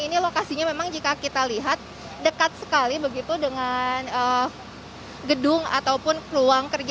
ini lokasinya memang jika kita lihat dekat sekali begitu dengan gedung ataupun ruang kerja